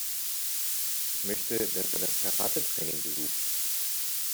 Ich möchte, dass er das Karatetraining besucht.